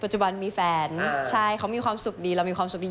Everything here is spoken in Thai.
จุบันมีแฟนใช่เขามีความสุขดีเรามีความสุขดี